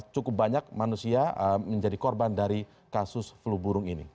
cukup banyak manusia menjadi korban dari kasus flu burung ini